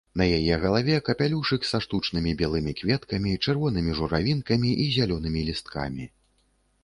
На яе галаве капялюшык са штучнымі белымі кветкамі, чырвонымі журавінкамі і зялёнымі лісткамі.